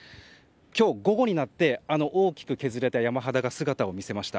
今日午後になって大きく削れた山肌が姿を見せました。